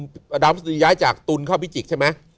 ดาราภฤษฎีย้ายตัวจากตุนเข้าพิจิกษ์